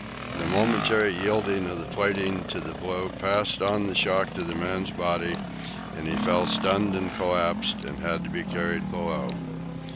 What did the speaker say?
The momentary yielding of the plating to the blow passed on the shock to the man's body, and he fell stunned and collapsed, and had to be carried below.